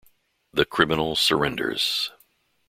The criminal surrenders.